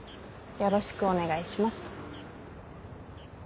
よろしくお願いします。